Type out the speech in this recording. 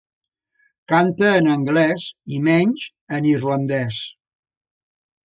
Canta en anglès i, menys, en irlandès.